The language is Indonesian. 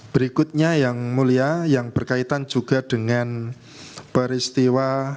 berikutnya yang mulia yang berkaitan juga dengan peristiwa